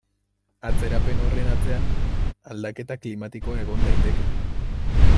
Atzerapen horren atzean aldaketa klimatikoa egon daiteke.